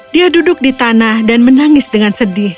dia duduk di tanah dan menangis dengan sedih